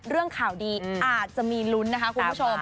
เรื่องข่าวดีอาจจะมีลุ้นนะคะคุณผู้ชม